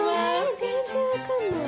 全然分かんない。